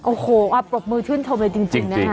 โอ้โฮปรบมือชื่นทมเลยจริงนะฮะสุดยอดจริง